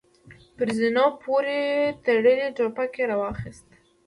پر زينونو پورې تړلې ټوپکې يې را واخيستې.